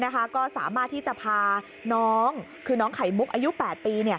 ก็สามารถที่จะพาน้องคือน้องไข่มุกอายุ๘ปี